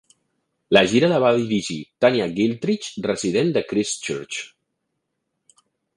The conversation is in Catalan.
La gira la va dirigir Tania Gilchrist, resident de Christchurch.